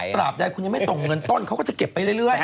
ตราบใดคุณยังไม่ส่งเงินต้นเขาก็จะเก็บไปเรื่อย